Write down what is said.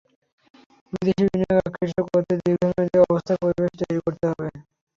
বিদেশি বিনিয়োগ আকৃষ্ট করতে হলে দীর্ঘমেয়াদি আস্থার পরিবেশ তৈরি করতে হবে।